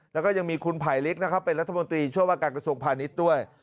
แล้วก็ยังมีคุณไผลลิกนะครับเป็นรัฐมนตรีช่วยว่าการกระทรวงพาณิชย์ด้วย